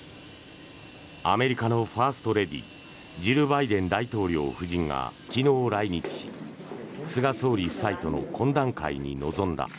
アメリカのファーストレディージル・バイデン大統領夫人が昨日来日し菅総理夫妻との懇談会に臨んだ。